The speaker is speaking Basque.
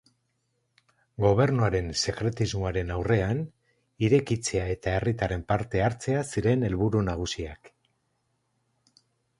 Gobernuaren sekretismoaren aurrean, irekitzea eta herritarren parte-hartzea ziren helburu nagusiak.